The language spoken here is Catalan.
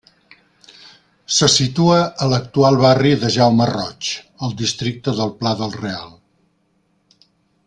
Se situa a l'actual barri de Jaume Roig, al districte del Pla del Real.